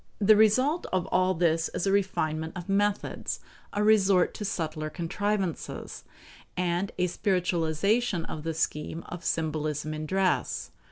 The result of all this is a refinement of methods, a resort to subtler contrivances, and a spiritualization of the scheme of symbolism in dress.